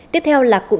tiếp theo là cụm tin vắn